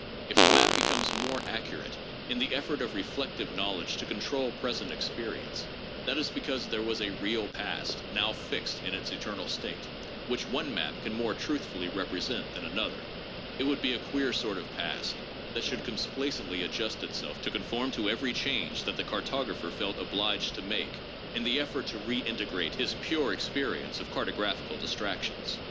If the map becomes more accurate in the effort of reflective knowledge to control present experience, that is because there was a real past, now fixed in its eternal state, which one map can more truthfully represent than another. It would be a queer sort of a past that should complaisantly adjust itself to conform to every change that the cartographer felt obliged to make in the effort to redintegrate his pure experience of carto graphical distractions.